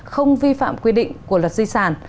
không vi phạm quy định của luật di sản